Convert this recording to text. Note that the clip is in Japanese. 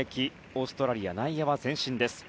オーストラリアの内野は前進です。